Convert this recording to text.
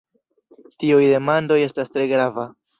Tioj demandoj estas tre grava!